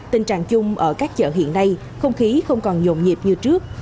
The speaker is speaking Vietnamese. tình trạng chung ở các chợ hiện nay không khí không còn nhộn nhịp như trước